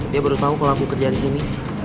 dia baru tau kalau aku kerja disini